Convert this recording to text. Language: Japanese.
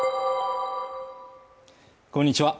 こんにちは